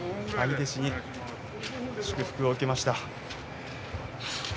兄弟子に、祝福を受けました。